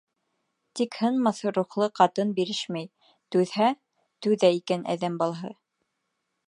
Тик һынмаҫ рухлы ҡатын бирешмәй — түҙһә, түҙә икән әҙәм балаһы...